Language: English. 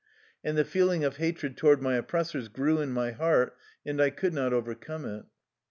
And the feeling of hatred to ward my oppressors grew in my heart and I could not overcome it.